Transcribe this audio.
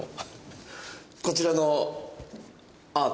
こちらのアート。